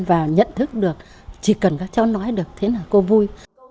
và nhận thức được chỉ cần các cháu nói được thế là cô vui